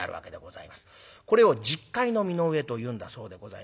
これを十かいの身の上というんだそうでございまして。